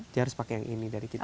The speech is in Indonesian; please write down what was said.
jadi harus pakai yang ini dari kita